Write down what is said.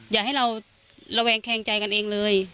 อย่าให้เราระแวงแคงใจกันเองเลย